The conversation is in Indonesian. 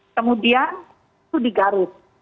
kemudian itu di garut